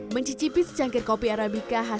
mencicipi secangkir kopi arabica khas